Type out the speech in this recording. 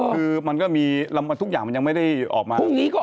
คือมันก็มีทุกอย่างมันยังไม่ได้ออกมา